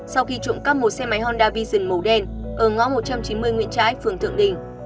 sau khi trộm cắp một xe máy honda vision màu đen ở ngõ một trăm chín mươi nguyễn trái phường thượng đình